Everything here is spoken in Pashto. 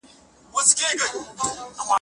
هغه د شاتو ویالې وینې چې پر څنډو یې یاقوت او مرجان